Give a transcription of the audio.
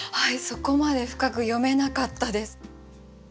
そこまで深く読めなかったです。